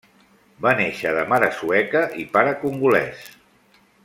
Va néixer de mare sueca i pare congolès.